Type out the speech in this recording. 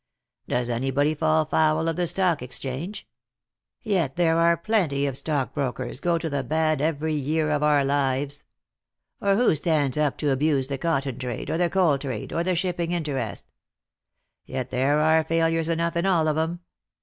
Does anybody fall foul of the Stock Exchange? Yet there are plenty of stockbrokers go to the bad every year of our lives. Or who stands up to abuse the cotton trade, or the coal trade, or the shipping interest ? Yet there are failures enough in all of 'em.